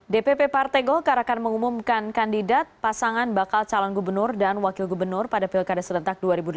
dpp partai golkar akan mengumumkan kandidat pasangan bakal calon gubernur dan wakil gubernur pada pilkada serentak dua ribu delapan belas